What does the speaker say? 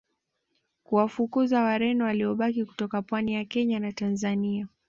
kuwafukuza Wareno waliobaki kutoka pwani ya Kenya na Tanzania